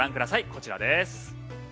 こちらです。